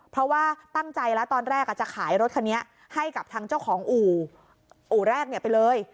เพราะว่าตั้งใจแล้วตอนแรกจะขายรถคันนี้ให้กับทางเจ้าของอู่อู่แรกไปเลย